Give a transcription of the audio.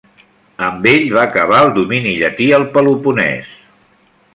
Amb ell, va acabar el domini llatí al Peloponès.